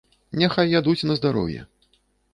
Няхай ядуць на здароўе.